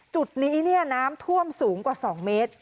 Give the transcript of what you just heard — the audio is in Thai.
จุดนี้น้ำท่วมสูงกว่า๒เมตร